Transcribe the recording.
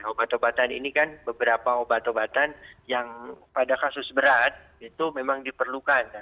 obat obatan ini kan beberapa obat obatan yang pada kasus berat itu memang diperlukan